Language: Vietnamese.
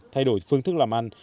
thay đổi phương thức làm ăn